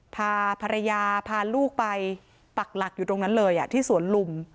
พาภรรยาพาลูกไปปักหลักอยู่ตรงนั้นเลยที่สวนลุม